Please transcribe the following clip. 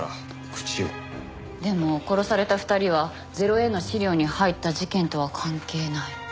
でも殺された２人は０−Ａの資料に入った事件とは関係ない。